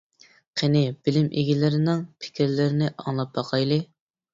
قېنى بىلىم ئىگىلىرىنىڭ پىكىرلىرىنى ئاڭلاپ باقايلى.